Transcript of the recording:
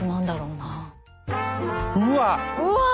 うわ。